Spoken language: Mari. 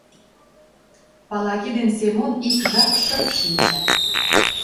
Палаги ден Семон ик жап шып шинчат.